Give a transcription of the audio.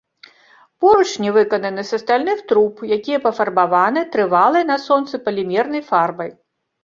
Поручні выкананы са стальных труб, якія пафарбаваны, трывалай на сонцы, палімернай фарбай.